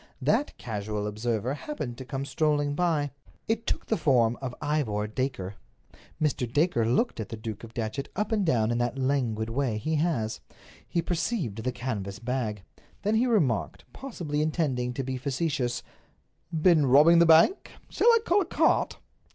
That casual observer happened to come strolling by. It took the form of Ivor Dacre. Mr. Dacre looked the Duke of Datchet up and down in that languid way he has. He perceived the canvas bag. Then he remarked, possibly intending to be facetious: "Been robbing the bank? Shall I call a cart?"